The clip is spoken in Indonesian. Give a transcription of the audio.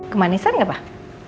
kemanisan gak pak